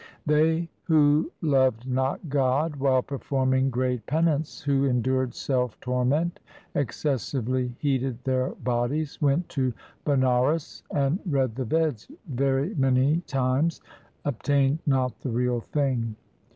They who loved not God, while performing great penance, who endured self torment, excessively heated their bodies, Went to Banaras, and read the Veds very many times, obtained not the Real Thing.